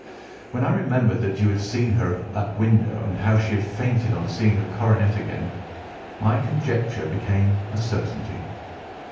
When I remembered that you had seen her at that window, and how she had fainted on seeing the coronet again, my conjecture became a certainty.